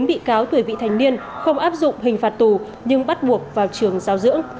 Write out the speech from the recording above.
một mươi bị cáo tuổi vị thành niên không áp dụng hình phạt tù nhưng bắt buộc vào trường giáo dưỡng